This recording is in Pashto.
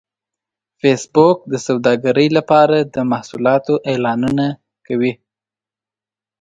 فېسبوک د سوداګرۍ لپاره د محصولاتو اعلانونه کوي